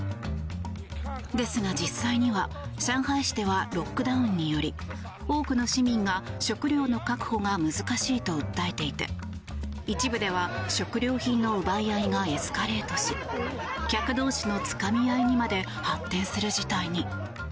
ですが実際には上海市ではロックダウンにより多くの市民が食料の確保が難しいと訴えていて一部では食料品の奪い合いがエスカレートし客同士のつかみ合いにまで発展する事態に。